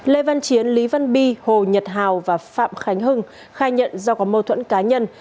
lê văn chiến lý văn bi hồ nhật hào và phạm khánh hưng khai nhận do có mâu thuẫn cá nhân